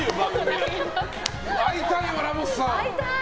会いたいな、ラモスさん。